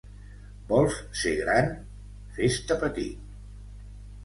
Vols ser gran? Fes-te petit.